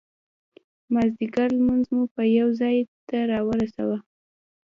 مازدیګر لمونځ مو یو ځای ته را ورساوه.